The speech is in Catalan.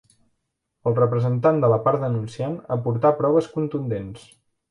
El representant de la part denunciant aportà proves contundents.